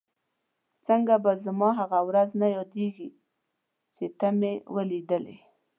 څنګه به زما هغه ورځ نه یادېږي چې ته مې ولیدلې؟